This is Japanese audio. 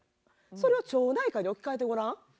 それを町内会で置き換えてごらん。